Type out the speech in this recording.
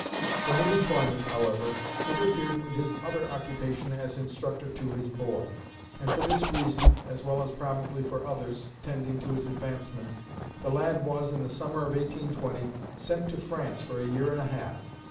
The new employment, however, interfered with his other occupation as instructor to his boy; and for this reason, as well probably as for others tending to his advancement, the lad was, in the summer of 1820, sent to France for a year and a half.